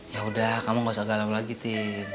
yaudah kamu gak usah galau lagi tin